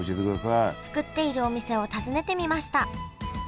作っているお店を訪ねてみました。